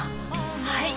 はい！